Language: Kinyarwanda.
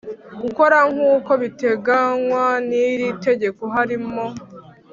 gukora nk uko biteganywa n iri tegeko harimo